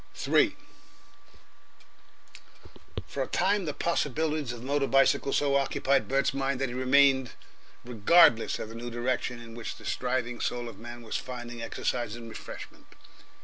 3 For a time the possibilities of the motor bicycle so occupied Bert's mind that he remained regardless of the new direction in which the striving soul of man was finding exercise and refreshment.